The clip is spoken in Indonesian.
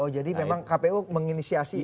jadi memang kpu menginisiasi